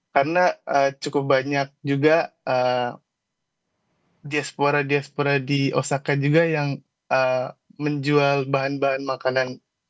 karena cukup banyak juga diaspora diaspora di osaka juga yang menjual bahan bahan makanan